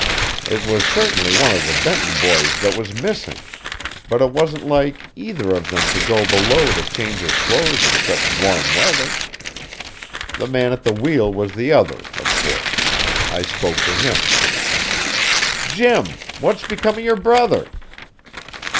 It was certainly one of the Benton boys that was missing, but it wasn't like either of them to go below to change his clothes in such warm weather. The man at the wheel was the other, of course. I spoke to him. "Jim, what's become of your brother?"